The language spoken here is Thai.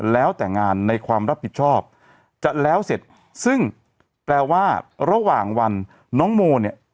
แล้วแต่งานในความรับผิดชอบจะแล้วเสร็จซึ่งแปลว่าระหว่างวันน้องโมเนี่ย